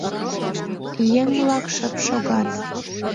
Еҥ-влак шып шогат.